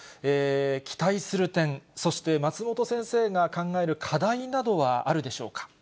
期待する点、そして、松本先生が考える課題などはあるでしょうか。